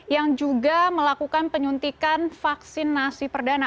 yang juga melakukan penyuntikan vaksinasi perdana